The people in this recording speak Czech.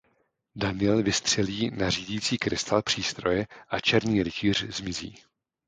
Daniel vystřelí na řídící krystal přístroje a černý rytíř zmizí.